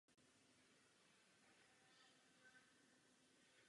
Oni sami však nemohou jmenovat nikoho třetího.